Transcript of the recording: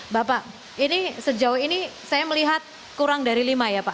bapak ini sejauh ini saya melihat kurang dari lima ya pak